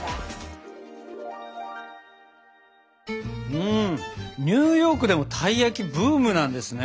うんニューヨークでもたい焼きブームなんですね。